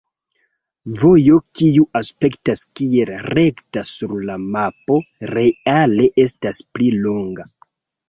Vojo kiu aspektas kiel rekta sur la mapo reale estas pli longa.